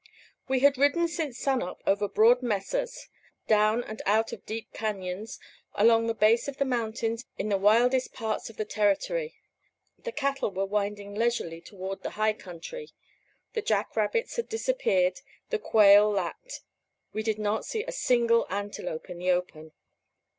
We had ridden since sunup over broad mesas, down and out of deep cañons, along the base of the mountains in the wildest parts of the territory. The cattle were winding leisurely toward the high country; the jack rabbits had disappeared; the quail lacked; we did not see a single antelope in the open.